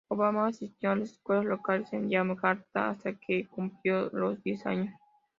Obama asistió a escuelas locales en Yakarta hasta que cumplió los diez años.